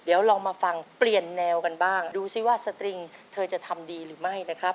เดี๋ยวลองมาฟังเปลี่ยนแนวกันบ้างดูสิว่าสตริงเธอจะทำดีหรือไม่นะครับ